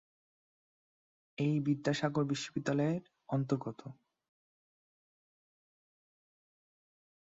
এটি বিদ্যাসাগর বিশ্ববিদ্যালয়ের অন্তর্গত।